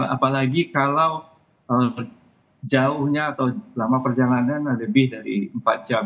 apalagi kalau jauhnya atau lama perjalanan lebih dari empat jam